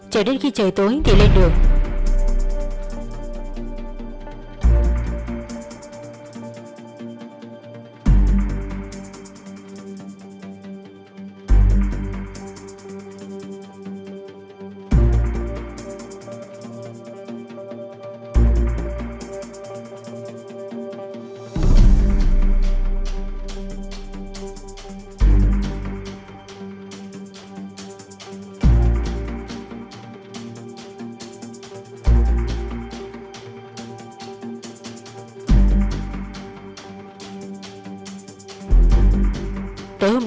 cho đến khi trời tối thì lên đường